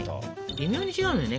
微妙に違うのよね。